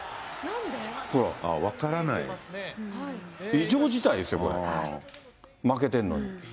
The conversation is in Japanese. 異常事態ですよ、これ、負けてるのに。